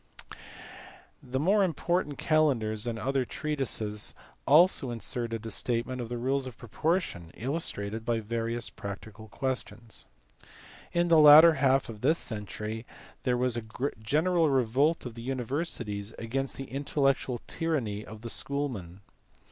The more important calendars arid other treatises also inserted a statement of the rules of proportion, illustrated by various practical questions. In the latter half of this century there was a general revolt of the universities against the intellectual tyranny of the school men.